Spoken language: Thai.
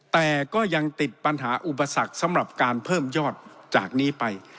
แต่ก็ยังติดปัญหาอุปสรรคสำหรับการเพิ่มยอดจากนี้ไป